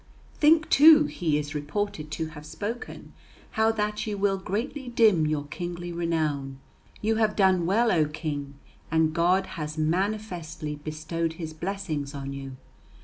"Think too," he is reported to have spoken, "how that you will greatly dim your kingly renown. You have done well, O King, and God has manifestly bestowed His blessings on you.